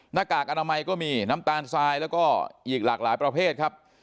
หน้ากากอนามัยก็มีน้ำตาลทรายแล้วก็อีกหลากหลายประเภทครับ